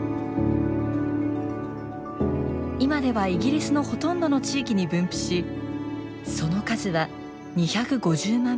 今ではイギリスのほとんどの地域に分布しその数は２５０万匹。